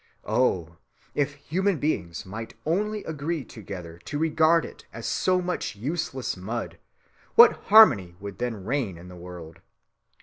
Oh! if human beings might only agree together to regard it as so much useless mud, what harmony would then reign in the world!